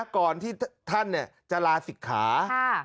ก่อนที่ท่านจะลาศิกขา